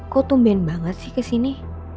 kok tumben banget sih kesini